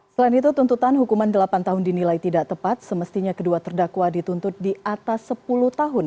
selain itu tuntutan hukuman delapan tahun dinilai tidak tepat semestinya kedua terdakwa dituntut di atas sepuluh tahun